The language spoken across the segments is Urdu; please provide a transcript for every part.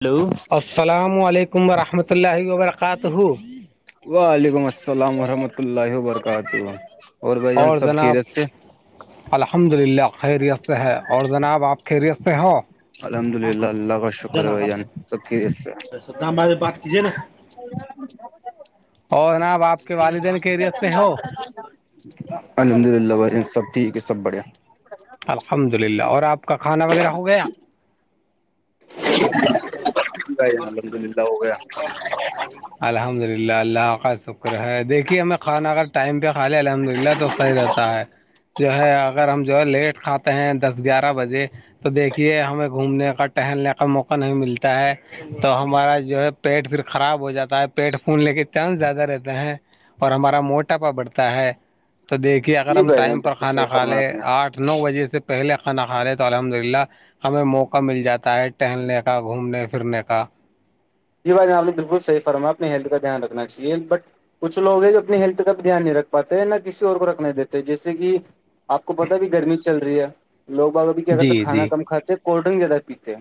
ہلو السلام علیکم ورحمۃ اللہ و برکاتہ وعلیکم السلام ورحمۃ اللہ وبرکاتہ بھائی جان اور سب جناب خیریت سے الحمد للہ خیریت سے ہے اور جناب آپ خیریت سے ہو الحمد ہاں للہ ہاں اللہ کا شکر ب جان تو اسا دام باز بات کیجیے نا اور اور جناب آپ کے والدین کیریت سے ہو الحمد للہ بھائی سب ٹھیک ہے سب بڑھیا الحمد للہ اور آپ کا کھانا وغیرہ ہو گیا ھ یہاں الحمد للہ ہو گیا الحمد للہ اللہ آقت شکر ہے دیکھیے ہمیں کھانا اگر ٹائم پہ کھا لے الحمد للہ تو صحی رہتا ہے جو ہے اگر ہم جو ہے لیٹ کھاتے ہیں دس گیارہ بجے تو دیکھیے ہمیں گھومنے کا ٹہلنے کا موقع نہیں ملتا ہے تو ہمارا جو ہے پیٹ پھر خراب ہو جاتا ہے پیٹ پھولنے کے چانس زیادہ رہتے ہیں اور ہمارا موٹاپا بڑھتا ہے تو دیکھیے اگر جی ہم بھائی جان ٹائم پر بالکل صحیح کھانا کھا فرما لیں آپ نے آٹھ نو بجے سے پہلے خانہ خارے تو الحمد للہ ہمیں موقع مل جاتا ہے ٹہلنے کا ا گھومنے پھرنے کا جی بات یہ آپ نے بالکل صح فرما اپنے ہیلتھ کا دھیان رکھنا چاہیے بٹ کچھ لو ہے جو اپنی ہیلتھ کا بھی دھیان نہیں رکھ پاتے ہیں نہ کسی اور کو رکھنے نہیں دیتے جیسے کہ آپ کو پتا بھی گرمی چل رہی ہے لوگ ب کہ اگر جی تک کھا جی کم کھاتے ہیں کولڈ ڈرنک زیادہ پیتے ہیں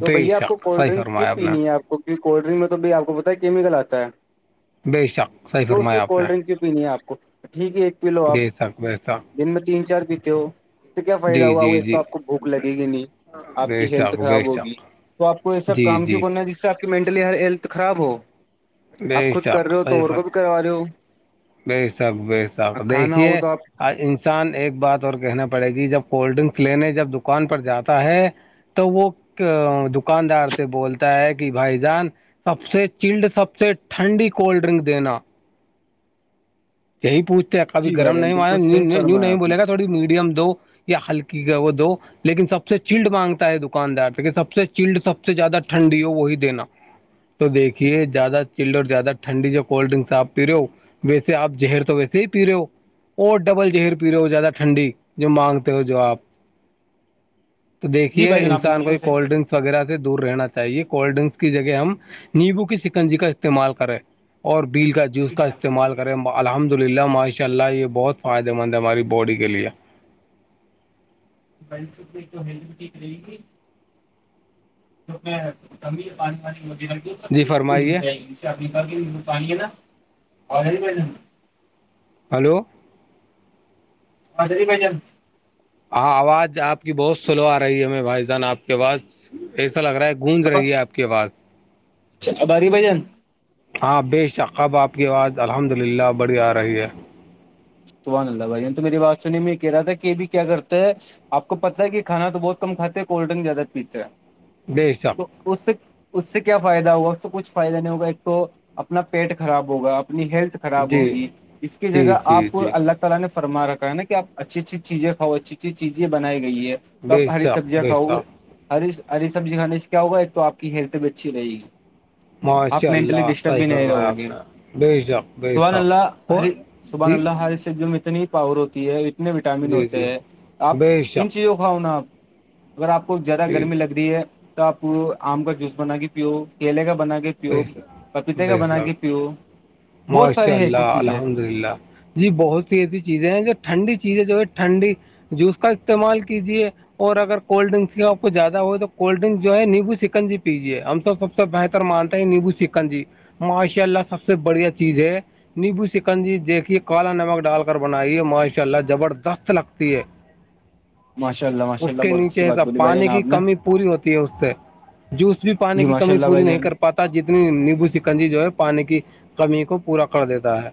تو بھیا آ شک کولڈ صحیح ڈرنک کیوں فرمایا نے پینی ہے آپ کو کہ کولڈ ڈرنک میں تو بھی آپ کو پتا کیمیکل آتا ہے بے شک صحیح تو اس فرمایا آپ نے کولڈ ڈرنک کی پ آپ کو ٹھیک ہے ایک پیلو آپ بے شک بے شک دن میں تین چار پیتے ہو اس سے کیا فائدہ جی ہوا وہ جی ایک تو جی آپ کو بھوک لگے گی نہیں آپ بے کی ہیلتھ شک بے خراب ہوگی شک تو آپ کو ایسا جی کام کیوں جی کرنا ہے جس سے آپ کی مینٹلی ہیل خراب ہو بے آپ خود کر رہے ہو تو اور کو بھی کروا رہ ہو بےشک بےشک کھانا دیکھیے ہو تو آپ انسان ایک بات اور کہنا پڑے گی جب کولڈ ڈرنکس لینے جب دکان پر جاتا ہے تو وہ دکاندار سے بولتا ہے کہ بھائی جان سب سے چلڈ سب سے ٹھنڈی کولڈ ینک دینا یہی پوچتے کبھی جی بھائی گرم جان نہیں ہوا بالکل نی صحیح نیو فرمایا نہیں آپ نے بولے گا تھوڑی میڈیم دو یا ہلکی کا وہ دو لیکن سب سے چلڈ مانگتا ہے دکاندار تو سب سے چلڈ سب سے زیادہ ٹھنڈی ہو وہی دینا تو دیکھیے زیادہ چلڈ اور زیادہ ٹھنڈی جو کولڈ ڈرنکس آپ پی رہے ہو ویس آپ جہر تو ویسے ہی پی رہے ہو اور ڈبل جہر پی رہے ہو زیادہ ٹھنڈی جو مانگتے ہو جو آپ تو جی دیکھیے بھائی جان آپ نے انسان کو بالکل یہ صحیح کولڈ فرمایا ڈرنک وغیرہ سے دور رہنا چاہیے کولڈ ڈرنکس کی جگہ ہم نیمبو کی سکنجی کا استعمال کریں اور بیل کا جو اس ٹھیک کا ہے آپ نے، استعمال کریں الحمد للہ ماشاء اللہ یہ بہت فائدہ مند ہے ہماری باڈی کے لیے [inaudible] تو ہیلھ ٹھیک رہے گی تو میں کب پانی پانی ہوتیی س جی مل فرمائیے جائے گی اسے اپنی طے نا [inaudible] ہلو جی بھای جان ہ آواز آپ کی بہت سلو آ رہی ہے ہمیں بھائی جان آپ کے پاس ایسا لگ رہا ہے گونج رہی ہے آپ کی آواز اباری بھ جان ہاں بےشک آپ کی آواز الحمد للہ بڑی آ رہی ہے سحان اللہ بھائی نے تو میری بات سنی میں یہ کہہ رہا تھا کہ یہ بھی کیا کرتے ہے آ کو پتا ہے کہ کانا تو بہت کم کاتے ہیں کولڈ ڈرنک زیادہ پیتے ہیں بےشک تو اس اس سے کیا فائدہ ہوگا اس سے کچھ فائدہ نہیں ہوگا ایک تو اپنا پیٹ خراب ہوگا اپنی ہیلتھ خراب جی ہوگی اس کی جی جگہ جی آپ کو جی اللہ تالی نے فرمارکھا ہےنا آپ اچھی اچھی چیزیں کھؤ اچھی اچھی چیزیں بنائی گئی ہے بے کب ہری شک سبزیاں بے کھاؤ گے شک ہری ہری سبزی کھانے سے کیا ہوا ہے تو آپ کی ہیلتھ بھی اچھی رہے گی آپ ماشاء مینٹلی اللہ ڈسٹرب صحیح بھی نہیں فرمایا رہو آپ گی نے بے شک بے سبحان اللہ شک اور سبحان جی اللہ سوں میں اتنی ہی پاور ہوتی ہے اتنے وٹامن جی ہوتے جی ہیں آپ بے انن شک چیزوں کھاؤ نا آپ اگر آپ کو زیادہ جی جی گرمی لگ رہی ہے تو آپ آم کا جوس بنا کے پیو کیلے کا بنا کے پیو بے شک پپیتے کا بے بنا کے پیو شک بہت سارے ایسی ماشاءاللہ چیزیں ہیں الحمد للہ جی بہت سی ایسی چیزیں ہیں جو ٹھنڈی چیزیں جو ہے ٹھنڈی جوس کا استعمال کیجیے اور اگر کولڈ ڈرنکس آپ کو زیادہ ہو تو کولڈ ڈرنکس جو ہے نیمبو چکن جی پیے ہم سب سے بہتر مانتے نیبو چکن جی ماشاء اللہ سب سے بڑھیا چیز ہے نیبو سکنجی دیکھیے کالا نمک ڈال کر بنائیے ماشاء اللہ جبردست لگتی ہے ماشاء اللہ اس ماشاء اللہ کے بہت اچھی نیچے بات سب بولی بھائی جان پانی کی آپ نے کمی پوری ہوتی ہے اس سے جوس بھی پانی جی کی ماشاء کمی اللہ پوری بھائی نہیں جان کر پ پتا جتنی نیبو سکنجی جو ہے پانی کی کمی کو پورا کر دیتا ہے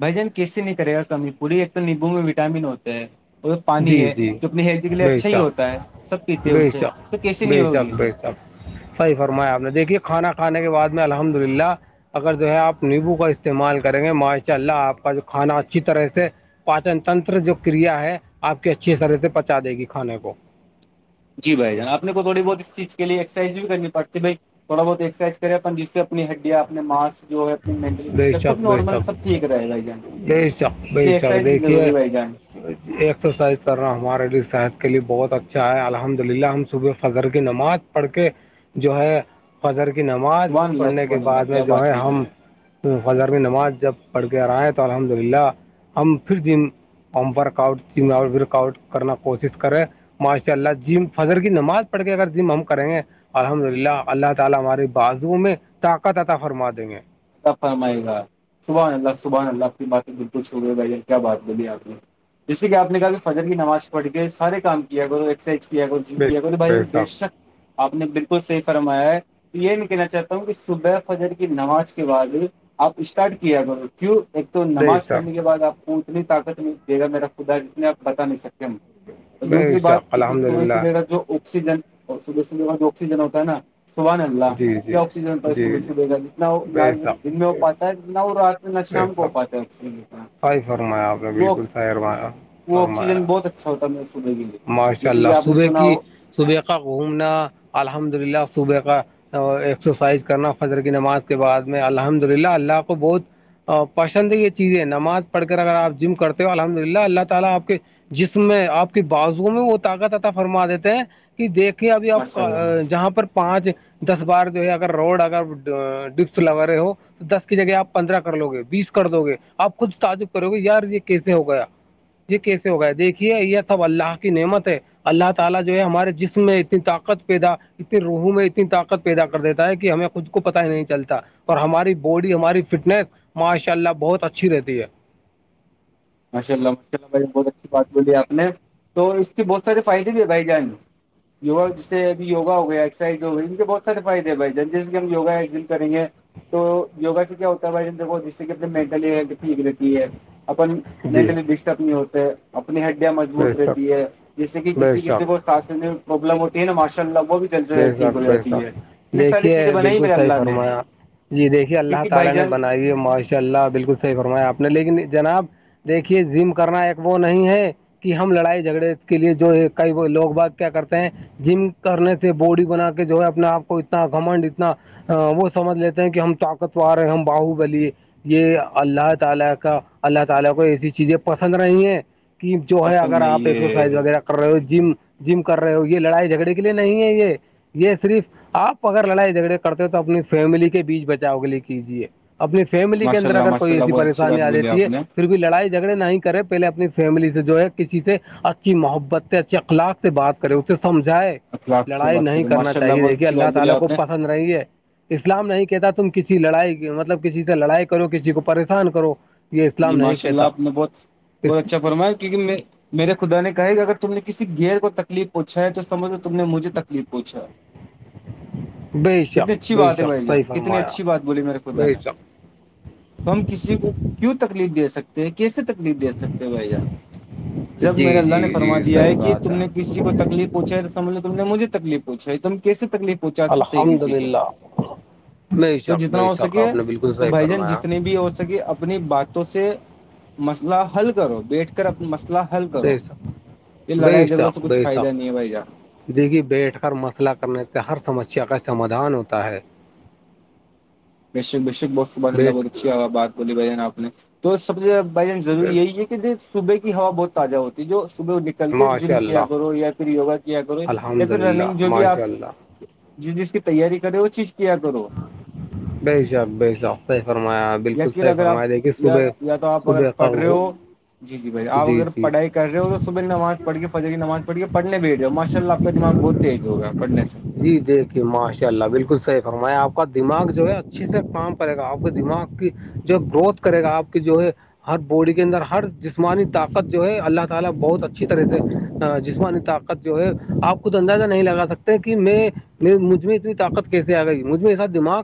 بھای جان کس سے نہیں کرے گا کمی پوڑی ایک توم نیبو میں وٹامن ہوتےتا ہے اور پانی جی ہے جی جو اپنی ہیلد کے لیے بے اچھا ہی شک ہوتا ہے سب پیتے ہیں بے اسے تو شک کیسی نہیں بے شک ہوگی بے شک صحیح فرمایا آپ نے دیکھیے کھانا کھانے کے بعد میں الحمد للہ اگر جو ہے آپ نیمبو کا استعمال کریں گے ماشاء اللہ آپ کا جو کھانا اچھی طرح سے پاچن تنتر جو کریا ہے آپ کی اچھی طرح سے پہچا دے گی کھانے کو جی بھائی جان آپ کو تھوڑی بہت اس چیز کےے ایکرائز بھی کرنی پڑتی ہے بھائی تھوڑا بہت ایکسرسائز کرے اپن جس سے اپنی ہڈیا اپنے ماںس جو ہے ینٹلی بے ڈسٹرب سب شک بے نارمل شک سب ٹھیک رہے بھائی جان بے شک بے اتنی شک ایکسرسائز بھی دیکھیے ضری بھائی جان ایکسرسائز کرنا ہمارے لیے صحت کے لیے بہت اچھا ہے الحمد للہ ہم صبح فضر کی نماز پڑھ کے جو ہے فجر کی نماز سبحان اللہ پڑھنے کے سبحان اللہ بعد کیا میں بات جو ہے کی بھائی ہم جان، زار میں نماز جب پڑھ کے آئے تو الحمد للہ ہم پھر ج پمپ ورک آؤٹک آؤٹ کرنا کوشش کرے ماشاء اللہ جم فضر کی نماز پڑھ کے اگر م ہم کریں گے الحمدللہ اللہ تعالی ہمارے بازوں میں اللہ فرمائے گا سبحان اللہ صبحان اللہ آنی باتیں بالکل شکریہ بھان کیا بات بی آپ نے جیسے کہ اپ نے کہا جی فجر کی نماز پڑھ کے سارے کام کیا کرو ایکس ایکس کیا کرو بے کیا کرو تو شک بھائی جان بے شک اپ نے بالکل صحیح فرمایا ہے یہ نہیں کہنا چاہتا ہوں کہ صبح فاجر کی نماز بعد آپ اسٹارٹ کیا ب کیوں ایک تو بے نماز پڑھنے شک کے بعد آپ کو اتنی طاقت نہیں دے گا میرا خدا جت آپ بتا نہیں سکتے بے دوسری بات شک ایک الحمد صبح للہ سبے گا جو او آکسیجن اور صبح سبے کا جو آکسیجن ہوتا ہےا صبح ن ملا جی کہ جی آکسیجن جی صبح جی صبح کا جتنا وہ پیسہ دن میں ہو پاتا ہے پیسہ جتنا وہ رات نشام پہواات تھا ایکچ فاہ فرمایا آپ نے بالکل فح فرمایا وہ فرمایا آکسیجن بہت اچھا ہوتا ہے میرے صبح کے لیے ماشاء جیسے کہ اللہ آپ نے صبح سنا کی ہو صبح کا گھومنا الحمد للہ صبح کا ایکسرسائز کرنا فجر کی نماز کے بعد میں الحمد للہ اللہ کو بہت پسندی یہ چیز ہے نماز پڑھ کر اگر اپ جم کرتے ہو الحمدللہ اللہ تعالی اپ جس میں آپ کے بازو میں وہ طاقت تتاا فرما دیتے ہیں کہ دیکھیے ابھی آپ ماشاء اللہ ماشاء اللہ جہاں پر پانچ دس بار جو ہے اگر روڈ اگر ڈس لگا رہے ہو تو دس کی جگہ آپ پندرہ کر لو گے بیس کر دوو گے آپ خود تعجب کرو گے یار یہ کیسے ہو گیا یہ کیسے ہو گئے ہے دیکھیے یہ سب اللہ کی نعمت ہے اللہ تعالی جو ہے ہمارے جسم میں اتنی طاقت پیدا اتنی روحوں میں اتنی طاقت پیدا کر دیتا ہے خود کو پت ہی نہیں چلتا اور ہماری باڈی ہماری فٹنس ماشاء اللہ بہت اچھی رہتی ہے ماشاء اللہ ماشاء اللہ بھائی بہت اچھی بات بولی آ نے تو اس کے بہت سارے فائدے بھی ہے بھائی جان یک جس سے ابھی یوا ہو گیا ایکسرسائز ہو گئی ان کے بہت سے فائدے بھائی جن جسے ہم وگا دن کریں گے تو یوگا سے کیا ہوتا ہے بھائی د جس سے کہ مینٹلی ٹھیک رہتی ہے اپن جی مینٹلی ڈسٹرب نہیں ہوتے اپنی ہڈیاں بے مضبوت شک رہتی ہے جیس سے کہ بے کسی کسی شک کو ساس میں مبلم ہوتی ہے نا ماشاءاللہ بے شک بے شک دیکھیے چیزیں بنائی بالکل میرے صحیح اللہ نے فرمایا جی دیکھیں اللہ کیونکہ بھائی تعالی نے جان بنائی ہے ماشاءاللہ بالکل صحیح دیکھیے زم کرنا ایک وہ نہیں ہے کہ ہم لڑائی جھگڑے کے لیے جو ہے کئی لوگ ب کیا کرتے ہیں جم کرنے باڈی بنا کے جو ہے اپنے اپ کو اتنا وہ سمجھ لیتے ہیں کہ ہم طاقتوور ہیں ہم باہوبلی یہ اللہ تعالی کا اللہ تعالی کو ایسی چیزیں پسند کہ جو ہے پسند اگر آپ نہیں ایکسرسائز ہے وغیرہ کر رہے ہو جم جم کر رہے ہو یہ لڑائی جھگڑے کے لیے نہیں ہے یہ یہ صرف آپ اگر لڑائی جھگڑے کرتے ہو تو اپنی فیملی کے بیچ بچاؤ کے لیے کیجیے اپنی فیملی کے ماشاء اندر اللہ اگر ماشاء کوئی اللہ ایسی بہت اچھی بات پریشانی آ بولی دیتی آپ ہے نے پھر لڑائی جھگڑے نہ نہیں کرے پہلے اپنی فیملی سے جو ہے کسی سے اچھی محبت سے اچھے اخلاق سے سے بات کرو سمجھائے اخلاق سے لڑائی بات نہیں کریں کرنا ماشاء اللہ چاہیے بہت دیکھیے اچھی بات اللہ بولی تعالی کو آپ نے پسند اسلام نہیں کہتا تم کسی لڑائی مطلب کسی سے لڑائی کرو کسی کو پریشان کرو یہ جی اسلام نہیں ماشاء اللہ کہتا آپ نے بہت بہت اچھا فرمایا کیونکہ میں میرے خدا نے کہا کہ اگر تم نے کسی گیئر کو تکلیف پوچھا ہے تو سمجھو تم نے مجھے تکلیف پوچھا ہے بے کتنی شک اچھی بے بات ہے شک بھائی صحیح جان کتنی فرمایا اچھی بات بولی میرے خدا بے نے شک تو ہم کسی کو کیوں تکلیف دے سکتے کیسے تکلیف دے سکتے ہو بھ ار جب جی میرے اللہ جی نے فرما جی دیا صحیح ہے کہ بات تم نے کسی کو تکلیف پوچھا ہے سمجھ لو تم نے مجھے تکلیف پوچھا ہے تم کیسے تکلیف پہنچا سکتے ہیں الحمد کسی کو للہ بے تو شک جتنا بے ہو شک سکے آپ نے بالکل تو صحیح بھائی جان فرمایا جتنے بھی ہو سک سک اپنی باتوں سے مسئلہ حل کرو بیٹھ کے اپنا مسئلہ حل کرو بے شک یہ لڑائی جھگڑوں تو کچھ فائدہ نہیں ہے بھائی جان دیکھیی بیٹھ کر مسئلہ کرنے سے ہر سمسیا کا سمادھان ہوتا ہے ب ب ش ب صب اللہ بیٹھ بہت اچھی بات بولی بائی جان آ نے سب سےیاد بائی چانس رور یہی ہے کہ دن صبح کی ہوا بہت تازہ ہوتی جو صبح د کر کے ماشاء جم کیا اللہ کرو یا پھر یگا کیا کرو یا الحمد پھر للہ رننگ جو بھی آپ ماشاء اللہ جس جس کی تیاری کرے وہ چیز کیا کرو بی شااک ب شخ ص فرمایا یا بالکل پھر صحیح اگر آپ فرمایا دیکھیے یا صبح یا تو آپ اگر صبح کا پڑھ رہے ہو جی جی بھائی آپ اگر پڑھائی رہے ہو تو صبح نماز پڑھ کے فجح کی نماز پڑھی کے پڑنے بھی رہے ہو ماشاءلہ آ کا دماغ بہت تیز ہوگا پڑنے سے جی دیکھیے ماشاء اللہ بالکل صحیح فرمایا آپ کا دماغ جو ہے اچھیے سے کام پڑے گا آپ کے دماغ کی جو گروتھ کرے گا آپ کی جو ہے بوڑی کے اندر ہر جسمانی طاقت جو ہے اللہ تعالی بہت اچھی طرح سے جس جو ہے آپ خود اندازہ نہیں لگا سکتے کہ کہ میں مجھ میں اتنی طاقت کیسے آ گئی مجھ م ساتھ دماغ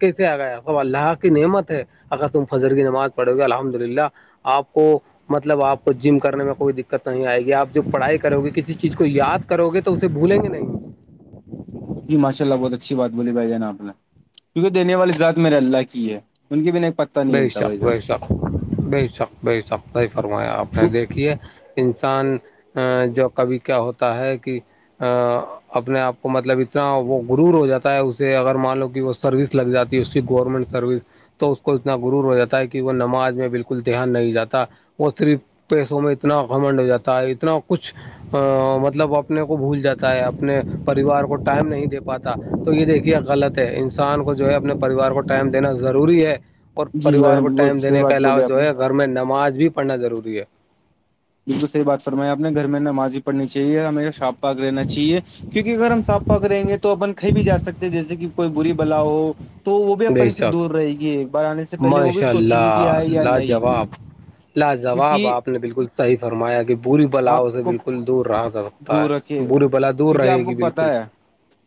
کیسے آ گیا ا اللہ کی نعمت ہے اگر تم فجر کی نماز پڑھو گے الحمد للہ آپ کو مطلب آپ کو جم کرنے میں کوئی دقت نہیں آئے گی آپ جو پڑھائی کرو گے کسی چیز کو یاد کرو گے تو اسے بھولیں گے نہیں ج ماشءلہ بہت اچھی بات بولی بھائی ج نا اپنا کیونکہ دینے والی ذات میرے اللہ کی ہے ان کی بھی ایک پ بے شک بے شک بے شک بے شک صحی فرمایا آپ نے دیکھیے انسان جو کبھی کیا ہوتا ہے کہ اپنے آپ کو مطلب اتنا وہ غرور ہو جاتا ہے اسے اگر مان لو کہ وہ سروس لگ جاتا اس کی گورمنٹ سروس تو اس کو اتنا رور ہو جاتا ہے کہ وہ نماز میں بالکل دھیان نہیں جاتا اور صرف پیسوں میں اتنا گھمنڈ ہو جاتا ہے اتنا کچھ مطلب اپنے کو بھول جاتا ہے اپنے پریوار کو ٹائم نہیں دے پاتا تو یہ دیکھیے غلط ہے انسان کو جو ہے اپنے پریوار کو ٹائم دینا ضروری ہے اور جی بھائی پریوار جان کو بالکل ٹائم صحیح دینے بات کے بولی علاوہ آپ جو نے ہے گھر میں نماز بھی پڑھنا ضروری ہے بالکل صحیح بات فرمایاپنے گھر میں نمازی پڑنی چاہیے ہم میرا شاپ پاغ رہنا چاہیے کیونکہ اگر ہم سانپ پاک رہیں گے تو اپن کھائی بھی جا سکتے ہیں جیسے کہ کوئی بری بلا ہو تو وہ بھی بے اپن سے شک دور رہے گی ایک بار آنے سے پہلے وہ بھی ماشاء سوچے گی کہ اللہ آئے یا نہیں لاجواب لاجواب کیونکہ آپ نے بالکل صحیح فرمایا کہ بورری بلاؤ آپ سے کو بالکل دور رہا سکتا دور ہے رکھے بولے بلا دور کیونکہ رہے آپ کو گی بالکل پتا ہے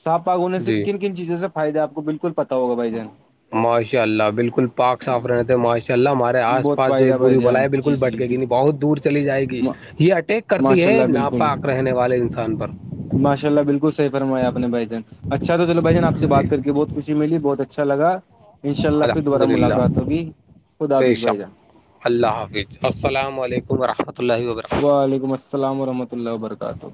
صاف پاک ہونے سے جی کن چیزوں سے فائدہپ کو بالکل پتا ہوگا بائی جان ماشاء اللہ بالکل پاک صاف رہ تھے ماشا اللہ ہمارے آس بہت پاس جو فائدہ بری بھائی ولا جان ہے جی بالکل جی بھٹکے گی نہیں بالکل بہت دور چلی جائے گی یہ اٹیک کرتی ماشاء ہے اللہ بالکل ناپاک رہنے والے انسان پر ماشاء اللہ بالکل صحی فرمایا اپنے بھائی دن اچھا تو چو بائین آ سے جی بات کر کے بہت خوش ملی بہت اچھا لگ انشاء اللہ پھر الحمد دوبارہ للہ ملاقات ہوگی خدا بے حافظ شک بھائی جان اللہ حافظ السلام علیکم و رحمۃ اللہ و برکاتہ وعلیکم السلام ورحمۃ اللہ وبرکاتہ